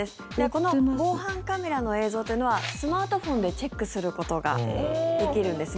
この防犯カメラの映像というのはスマートフォンでチェックする事ができるんですね。